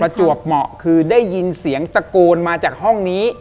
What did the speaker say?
จวบเหมาะคือได้ยินเสียงตะโกนมาจากห้องนี้